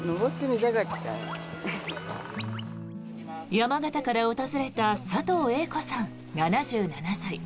山形から訪れた佐藤榮子さん、７７歳。